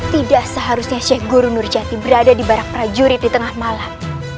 tidak seharusnya sheikh guru nurjati berada di barak prajurit di tengah malam